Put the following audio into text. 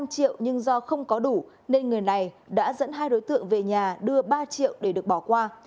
năm triệu nhưng do không có đủ nên người này đã dẫn hai đối tượng về nhà đưa ba triệu để được bỏ qua